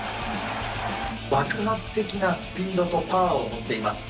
爆発的なスピードとパワーを持っています。